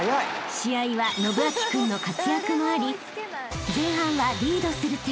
［試合は伸光君の活躍もあり前半はリードする展開］